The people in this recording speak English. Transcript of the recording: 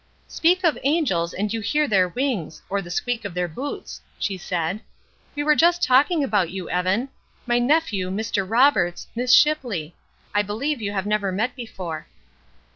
"Speak of angels and you hear their wings, or the squeak of their boots," she said. "We were just talking about you, Evan. My nephew, Mr. Roberts, Miss Shipley. I believe you have never met before."